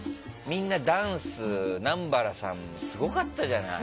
みんなダンス南原さん、すごかったじゃない？